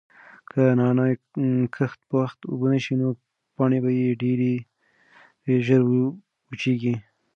که د نعناع کښت په وخت اوبه نشي نو پاڼې یې ډېرې ژر وچیږي.